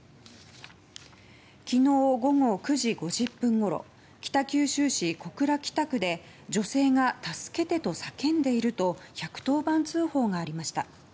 昨日午後９時５０分ごろ北九州市小倉北区で女性が助けてと叫んでいると１１０番通報がありました。